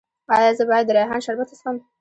ایا زه باید د ریحان شربت وڅښم؟